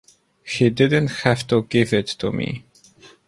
He didn't have to give it to me.